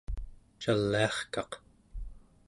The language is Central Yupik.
caliarkaq